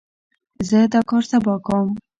زه دا کار سبا کوم.